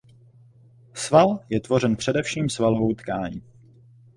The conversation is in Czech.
Sval je tvořen především svalovou tkání.